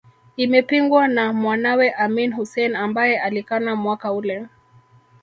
Imepingwa na mwanawe Amin Hussein ambae alikana mwaka ule